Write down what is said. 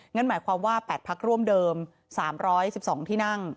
หมายความว่า๘พักร่วมเดิม๓๑๒ที่นั่ง